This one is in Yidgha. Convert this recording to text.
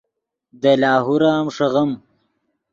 دے لاہور ام ݰیغیم